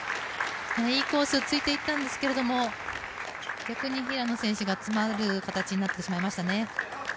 いいコースをついていったんですけれども逆に、平野選手が詰まる形になってしまいましたね。